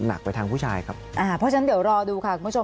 หนักไปทางผู้ชายครับ